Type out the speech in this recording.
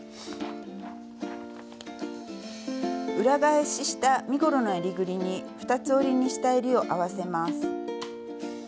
裏返しした身ごろのえりぐりに二つ折りにしたえりを合わせます。